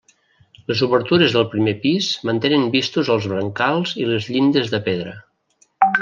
Les obertures del primer pis mantenen vistos els brancals i les llindes de pedra.